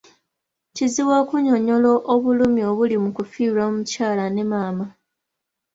Kizibu okunnyonnyola obulumi obuli mu kufiirwa omukyala ne maama.